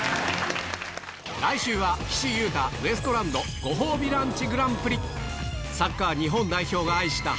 来週は岸優太ウエストランドご褒美ランチ